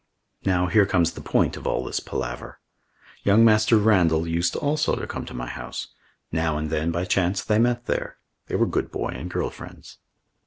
Now, here comes the point of all this palaver. Young Master Randall used also to come to my house. Now and then by chance they met there. They were good boy and girl friends.